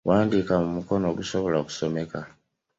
Wandiika mu mukono ogusobola okusomeka.